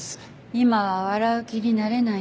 今は笑う気になれない。